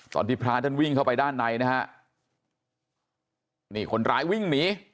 ตอนที่พระท่านวิ่งเข้าไปด้านในนะฮะนี่คนร้ายวิ่งหนี